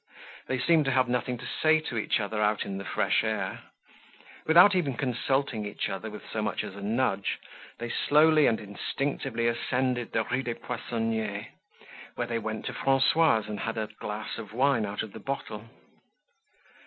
They seemed to have nothing to say to each other out in the fresh air. Without even consulting each other with so much as a nudge, they slowly and instinctively ascended the Rue des Poissonniers, where they went to Francois's and had a glass of wine out of the bottle.